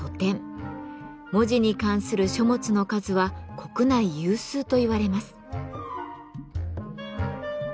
文字に関する書物の数は国内有数といわれます。